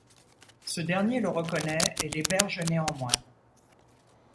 Ce dernier le reconnaît et l'héberge néanmoins.